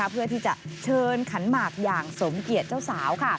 เพื่อที่จะเชิญขันหมากอย่างสมเกียจเจ้าสาว